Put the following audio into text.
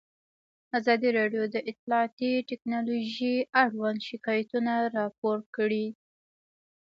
ازادي راډیو د اطلاعاتی تکنالوژي اړوند شکایتونه راپور کړي.